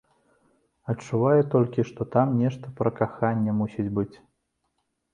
Адчуваю толькі, што там нешта пра каханне мусіць быць.